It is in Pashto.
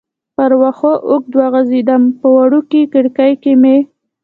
پر وښو اوږد وغځېدم، په وړوکې کړکۍ کې مې.